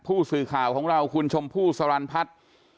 ผู้สื่อข่าวของเราคุณชมพู่สรรพัฒน์